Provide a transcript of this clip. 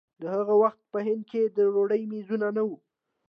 د هغه وخت په هند کې د ډوډۍ مېزونه نه وو.